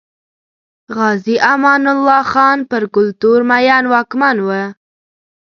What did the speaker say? غازي امان الله خان پر کلتور مین واکمن و.